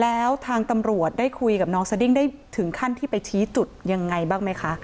แล้วทางตำรวจได้คุยกับน้องสดิ้งได้ถึงขั้นที่ไปชี้จุดยังไงบ้างไหมคะ